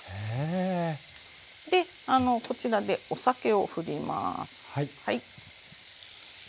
でこちらでお酒を振ります。